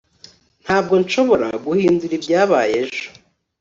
ntabwo nshobora guhindura ibyabaye ejo